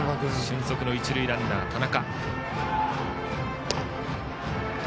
俊足の一塁ランナー、田中。